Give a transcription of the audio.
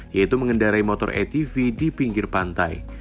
yaitu mengendarai motor atv di pinggir pantai